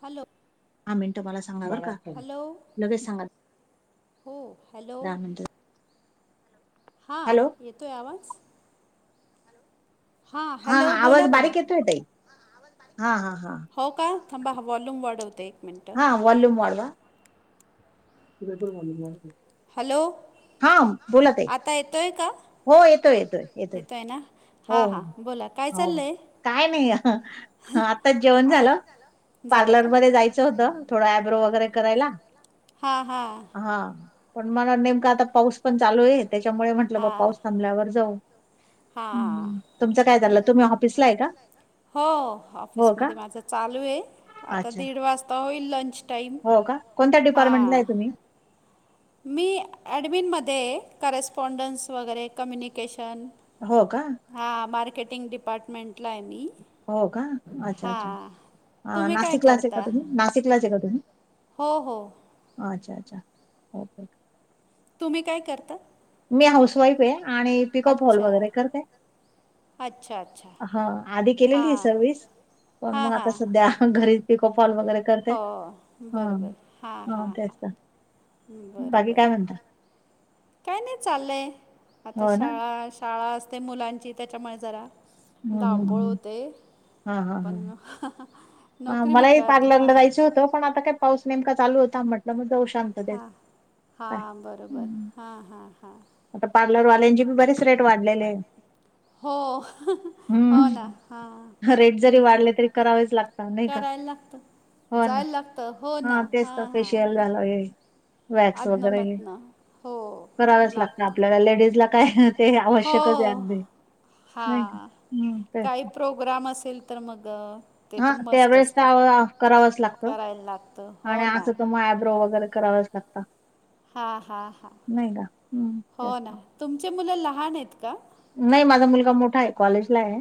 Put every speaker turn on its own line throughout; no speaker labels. Hello
हहा मिनटं मला सांगा बर का लगेच सांगा दहा मिनट.
हा येतोय आवाज
हा आवाज बारीक येतोय ताई हा. हा. हा
हो का थांबा वॉल्यूम वाढवते
हा वॉल्यूम वाढवा तीच तर व्हॅल्यूम वाढतंय
हॅलो
हा, बोला ताई हो येतोय येतोय येतोय हो, हो हा काय नाही आताच जेवण झालं पार्लरमध्ये जायचं होतं थोड ऍब्रो वगैरे करायला
हा हा
हा पण मला नेमका आता पाऊस पण चालूय त्याच्यामुळे म्हंटलं ब पाऊस थांबल्यावर जाऊ
हां. पण हो ऑफिसमध्ये माझ चालूय आता दीड वाजता वाजता लंच
हो का कोणत्या डिपार्टमेंटला हाय तुम्ही
मी ॲडमीनमध्ये आहे करस्पॉन्डन्स वगैरे कम्युनिकेशन
हो का.
हां मार्केटिंग डिपार्टमेंटला हाय मी. हां
ह नाशिकला असताय का तुम्ही नाशिकलाच आहे का तुम्ही.
हो हो
अच्छा, अच्छा ओके
तुम्ही काय करता.
मी हाऊस वाईफ आहे आणि पिको फॉल वगैरे करते.
अच्छा.
हा आधी केलेली आहे सर्विस पण मग आता सध्या घरीच पिकोफॉल वगैरे करते ह हा तेचत.
बरं बरं. काय नाही चालंय आता शाळा शाळा असते मुलांची त्याच्यामुळे जरा
हू हू हू हा हा हा.
[unintelligible]
ह मलाही पार्लरला जायचं होतं पण आता काय पाऊस नेमका चालू होता म्हटलं मग जाऊ शांत.
हां हां बरोबर हां हां हां.
आता पार्लरवाल्यांची बी बरेच रेट वाढलेले आहे.
हो हो ना हा. करायला लागत जायला लागत हो ना हा हा. अधन मधन हो लाग
आपल्याला लेडीज ला काय ते आवश्यकच आहे अगदी. हम्म हू तेच ना.
प्रोग्राम असेल तर मग
हा त्यावेळेस त अव करावच लागतं आणि असं तर मग आयब्रो वगैरे करावच लागतं. [unintelligible]
हा हा हा हो ना तुमची मुलं लहान आहेत का.
नाही माझा मुलगा मोठा आहे कॉलेजला आहे.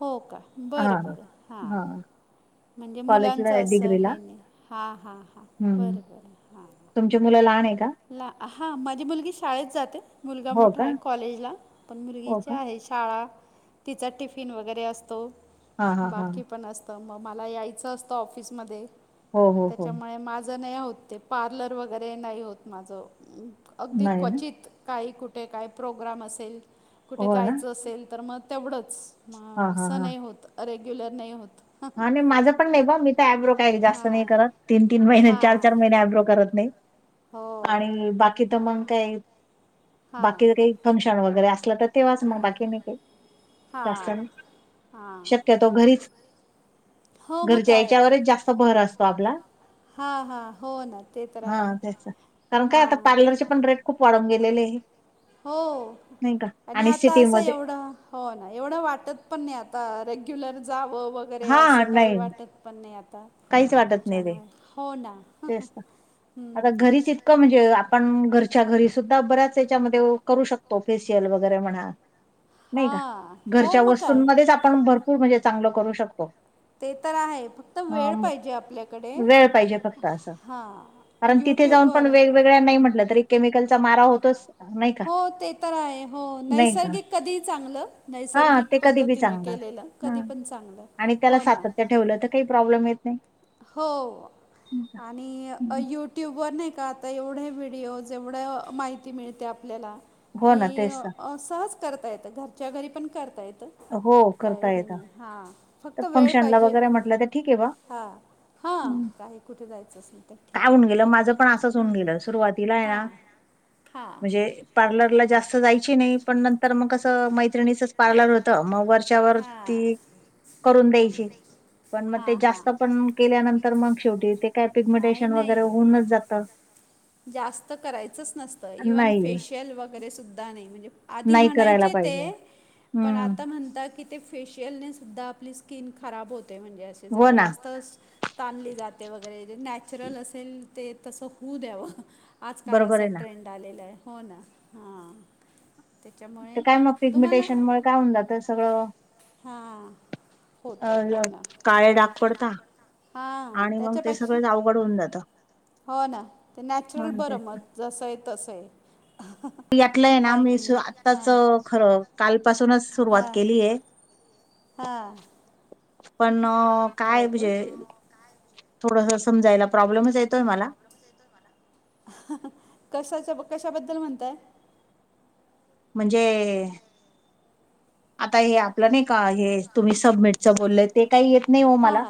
हो का बरं बरं हां. म्हणजे मुलांचं असं हे नाही हां हां हां बरं बरं हां.
तुमचे मुलं लहान आहे का.
ला हा माझी मुलगी शाळेत जाते मुलगा मोठा आहे कॉलेजला पण मुलगीची आहे शाळा तिचा टिफिन वगैरे असतो बाकी पण अस त मग मला यायचं असतं ऑफिसमध्ये त्याच्यामुळे माझं नाही होत ते. पार्लर वगैरे नाही होत माझं अगदी क्वचित काही कुठे काय प्रोग्राम असेल कुठे जायचं असेल तर मग तेवढंच. म असं नाही होत रेग्युलर नाही होत.
हा आणि माझं पण नाही बा मी तर आयब्रो काही जास्त नाही करत तीन तीन महिने चार चार महिने आयब्रो करत नाही. आणि बाकी त मंग काय बाकी एरवी फंक्शन वगैरे असलं तर तेव्हाच मग बाकी नाही काही जास्त नाही शक्य तो घरीच घरच्या याच्यावरच जास्त भर असतो आपला. हा त्याच कारण काय आता पार्लर चे पण रेट खूप वाढून गेलेले आहे.
हो आणि आता असं एवढं हो ना एवढं वाटत पण नाही आता रेग्युलर जावं वगैरे असं काही वाटत पण नाही आता त्याच्यामुळे हो ना.
तेचत आता घरीच इ क म्हणजे आपण घरच्या घरी सुद्धा बऱ्याच याच्यामध्ये करू शकतो फेशियल वगैरे म्हणा नाही का घरच्या वस्तूंमध्येच आपण भरपूर म्हणजे चांगलं करू शकतो.
ते तर आहे फक्त वेळ पाहिजे आपल्याकडे
अस कारण तिथे जाऊन पण वेगवेगळ्या नाही म्हटलं तरी केमिकलचा मारा होत
हो ते तर आहे हो नैसर्गिक कधीही चांगलं नैसर्गिक
ते कधी बी चांगलं ह आणि त्याला सातत्य ठेवलं तर काही प्रॉब्लेम येत नाही.
हो आणि युट्यूबवरर नाही का आता एवढे व्हिडिओज एवढ्या माहिती मिळते आपल्याला की असंच करता येत घरच्या घरी पण करता येत काहीही नाही हा
तर फंक्शन ला वगैरे म्हटलं तर ठीक आहे बा
हां हा काही कुठे जायचं असेल तर हम हा. हां.
पार्लरला जास्त जायची नाही पण नंतर मग अस मैत्रि पार्लर होत मग वरच्यावरती.
बमे. हा हा नाही नाही. जास्त करायचंच नसतं इव्हन फेशियल वगैरे सुद्धा नाही म्हणजे आधी म्हणायचे ते. पण आता म्हणता की ते फेशियलने सुद्धा आपली स्किन खराब होते म्हणजे अस जरा जास्त. ताणली जाते वगैरे नॅचरल असेल ते तसं होऊ द्यावं. आजकाल असं ट्रेंड आलेला आहे हो ना हां. त्याच्यामुळे तुम्हाला.
काय म्हन जात सगळं.
हां.
अ काळे डाक पडता आणि मग ते सगळेच अवघड होऊन जात.
हो ना ते नॅचरल बरं मग जसं आहे तस आहे.
यातलंय ना मी आत्ताच. खरं कालपासूनच सुरुवात केलीय.
हां.
पण काय म्हजे थोडस समजायला. प्रॉब्लेमच येतोय मला.
कशाच्या कशाबद्दल म्हणताय.
म्हणजे आता हे आपलं नाही का हे तुम्ही सबमिट. बोललंय ते काही येत नाही हो मला.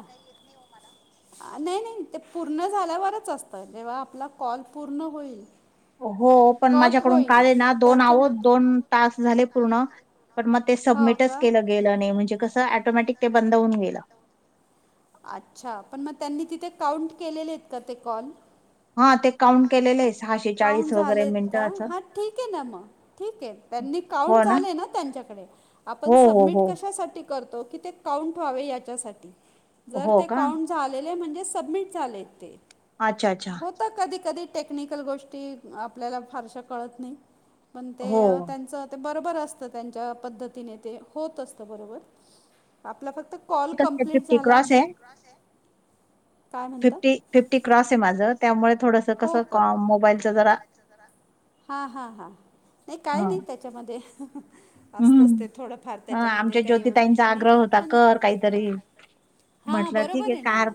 नाही नाही ते पूर्ण झाल्यावरच असतं जेव्हा आपला कॉल पूर्ण होईल.
हो पण माझ्याकडून काले ना दोन आहोत दोन तास झाले पूर्ण. पण मग ते सबमिटच केलं गेलं नाही म्हणजे कसं टोमॅटिक ते बंद होऊन गेलं.
अच्छा पण मग त्यांनी तिथे काउंट केलेले आहेत का ते कॉल.
हा ते.
ते काउंट झालेत का हा ठीक आहे ना मग ठीक आहे त्यांनी काउंट झाले ना त्यांच्याकडे आपण सबमिट कशासाठी- क कां व्हाउं झा म्हणजे सबमिट झाले ते.
अच्छा अच्छा!
आता कधी कधी टेक्निकल गोष्टी आपल्याला फारशा कळत नाही. पण ते त्यांच बरोबर असत त्यांच्या पद्धतीने ते होत असत बरोबर आपल्या फक्त. कॉल कमप्लीट झाला.
फिफ्टी फिफ्टी क्रॉस आहे माझं त्यामुळे. थोडस कस मोबाईलच जरा.
च्यामध्येमध्ये. असतच ते थोडंफार त्याच्यामध्ये काही एवढं हे नाही पण. हा बरोबर आहे ना.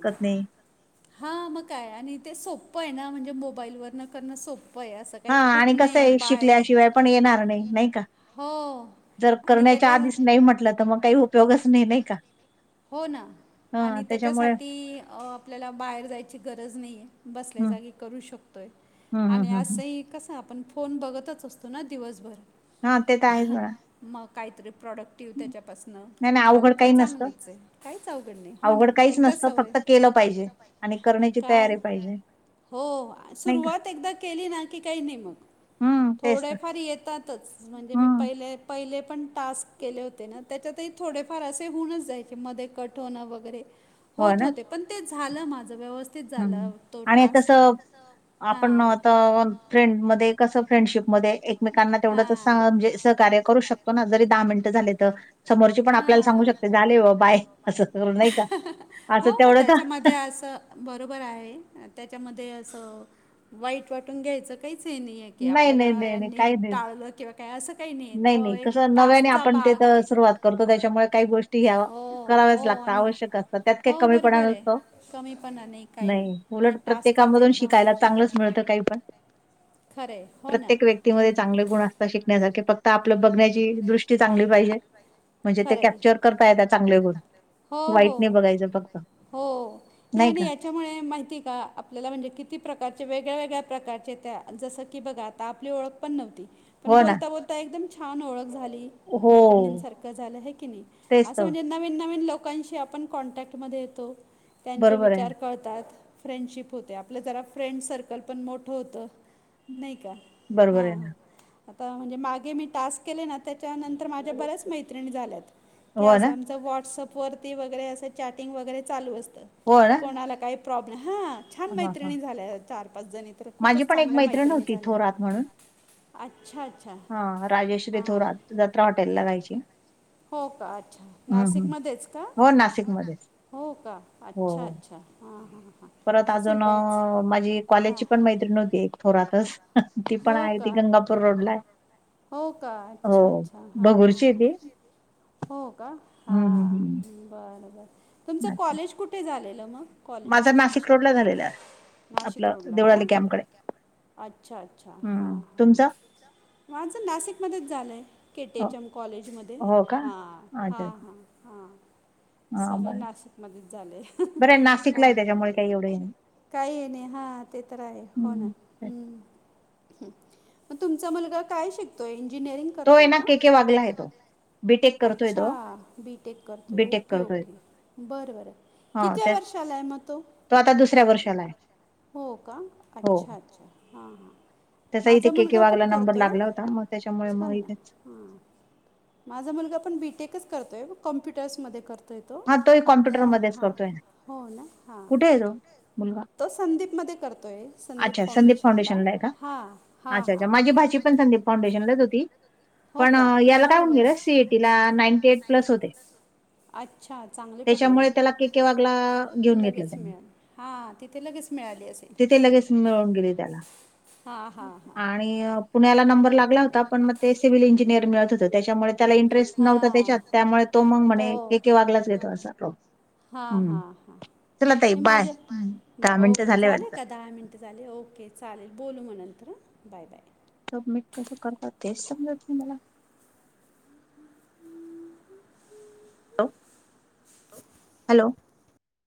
हा मग काय आणि ते सोप्पं आहे ना म्हणजे मोबाईल व न कर सोपं.
हा आणि कसं आहे शिकल्याशिवाय पण येणार नाही नाही का. जर करण्याच्या आधीच नाही म्हटलं तर मग काही उपयोगच नाही नाही का.
हो ना आणि त्याच्यासाठी आपल्याला बाहेर जायची गरज नाही आहे. बसल्या जागी करू शकतोय आणि असंही कसं आपण. फोन बघतच असतो ना दिवसभर.
हा ते तर आहे मणा
मग काहीतरी प्रॉडक्टिव्ह त्याच्यापासनं झालं तररी चांगलं. काहीच अवघड नाही हो ना एकदा सवय काय? हो सुरुवात एकदा केली ना की काही नाही मग. थोडेफार येतातच म्हणजे मी पहिले. पहिले पण टास्क केले होते ना त्याच्यातही थोडेफार असे होऊनच जाय. वरत हो पण झा माझ व्यव
ह् आणि तस आपण आता फ्रेंड मध्ये कसं फ्रेंडशिपमध्ये एकमेकांना तेवढंच सांगे सहकार्य करू शकत. प जरी दहा मिनटं झाले तर समोरची पण आपल्याला सांगू शकते झाले व बाय असं करू नाही का असं तेवढंत.
बरोबर आहे त्याच्यामध्ये असं वाईट वाटून घ्यायचं काहीच हे नाही आहे. आपल्याला यांनी टाळलं किंवा काय असं काही नाही तो एक तासचा भाग आहे.
तो त्याच्यामुळे काही गोष्टी यावा करावच लागत आवश्यक असत त्यात काही कमीपणा नसत नाही. उलट प्रत्येकामधून शिकायला चांगलंच मिळतं काही पण प्रत्येक व्यक्तीमध्ये चांगले गुण असतात शिकण्यासारखे फक्त तर आपलं बघण्याची दृष्टी चांगली पाहिजे म्हणजे ते कॅप्चर करता येत चांगले गून. वाईट नाही बघायचं फक्त
हो. त्याच्यामुळे माहिती का? आपल्याला म्हणजे किती प्रकारचे वेगळ्या, वेगळ्या, प्रकारचे त्या जसं की बघा आता आपली ओळख पण नव्हती पण बोलता बोलता एकदम छान ओळख झाली. मै्रार झा की नाही अस म्हणजे नन नवीन लोकांशी. आपण कॉन्टॅक्टमध्ये येतो त्यांचे विचार करळतात. फ्रेंडशिप होते आपलं जरा फ्रेंड सर्कल पण मोठं होतं नाही का? हा आता म्हणजे मागे मी टास्क केले ना त्याच्यानंतर माझ्या बरेच मैत्रिणी झाल्या, वाहटसप वरती वगैरे असं चॅटिंग वगैरे चालू असतं की कोणाला काही प्रॉब्लेम हा छान मैत्रिणी झाल्या चार पाच जणी तर खूपच चांगल्या मैत्रिणी झाल्या. अच्छा अच्छा.
हा राजेश्री थोरात जत्रा हॉटेल ला जायची.
हो का अच्छा नाशिकमध्येच का हो का अच्छा अच्छा. अच्छा हां हां हां
परत अजून माझी कॉलेजची पण मैत्रीणव्हती एक थोरातच. ती पण आहे ती गंगापूर रोड ला
हो का अच्छा अच्छा हा हा हा. हो का हां बरं बरं तुमचं कॉलेज कुठे झालेलं मग
माझा नाशिक रोडला झालेला आहे आपलं देवळाली कॅम्पकडे
अच्छा अच्छा हां हां मा माझं नाशिकमध्येच झालंय केटीच्याम कॉलेजमध्ये हां. हां हां हां हां सगळं नाशिक मच झाले. काही नाही हा ते तर आहे हो ना हम्म. मग तुमचा मुलगा काय शिकतोय इंजिनिअरिंग
तो आहे ना के के वागला आहे तो
अच्छा बीटेक करतोय ओके ओके बरं बरं. किती्या वर्षाला आहे मग तो आ दुसऱ्या वर्षा हो का अच्छा अच्छा. हा हा माझा मुलगा पण करतोय छान ना. हां माझा मुलगा आपण बीटेकच करतोय मग कॉम्प्युटर्समध्ये करतो. हो ना ह तो संदीपमध्ये करतोय संदीप फाउंडेशन ला हा हा हा
फाउंडेशनच होती पण याला काय होऊन गेलं सीएटी ला नाईंटी एट प्लस होते
अच्छा चांगले पडले ना लगेच मिळेल हा तिथे लगेच मिळाली असे
तेिथे लगेच मिळून गेले त्याला आणि पुण्याला नंबर लागला होता पण मग ते सिव्हिल इंजिनियर मिळत होते त्याच्यामुळे त्याला इंटरेस्ट नव्हता त्याच्यात त्यामुळे तो मग म्हणे के के वागलाच घेतो असा तो
हा हा हा हे माझे ओके झाले का दहा मिनटं झाले ओके चालेल बोलू मग नंतर बाय बाय
सब मीट कसं करतात तेच समजाय मला हॅ हॅलो